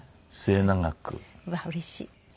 うわうれしい。